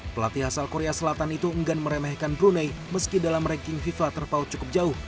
pelatih asal korea selatan itu enggan meremehkan brunei meski dalam ranking fifa terpaut cukup jauh